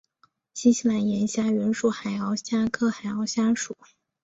新西兰岩虾原属海螯虾科海螯虾属。